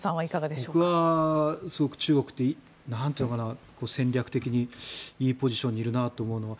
僕はすごく中国って戦略的にいいポジションにいるなと思って。